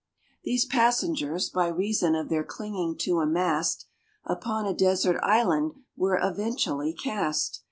These passengers, by reason of their clinging to a mast, Upon a desert island were eventually cast.